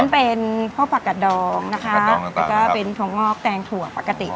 เหมือนกันเป็นพ่อผักกัดดองนะคะแล้วก็เป็นทวงงอกแทงถั่วปกติ